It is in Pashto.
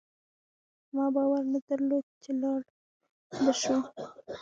ما باور نه درلود چي لاړ به شو